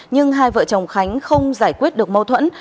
nhưng hai vợ chồng khánh không giải quyết được mâu thuẫn